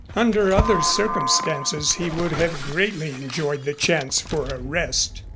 Under other circumstances, he would have greatly enjoyed the chance for a rest.